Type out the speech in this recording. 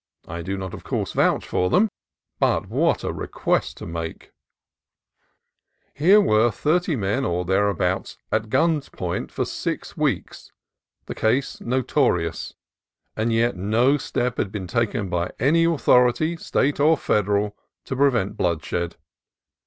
I do not, of course, vouch for them. But what a request to have to make ! Here were thirty men or thereabouts at gun's point for six weeks, and the case notorious; yet no step had been taken by any authority, State or Federal, to prevent bloodshed.